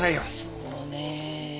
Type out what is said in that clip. そうねえ。